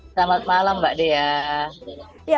selamat malam mbak dea